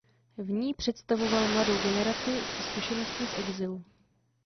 V ní představoval mladou generaci se zkušenostmi z exilu.